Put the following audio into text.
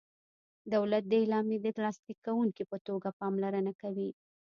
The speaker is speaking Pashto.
دولت د اعلامیې د لاسلیک کوونکي په توګه پاملرنه کوي.